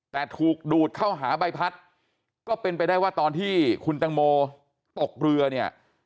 แต่ถูกดูดเข้าหาใบพัดก็เป็นไปได้ว่าตอนที่คุณตังโมตกเรือเนี่ย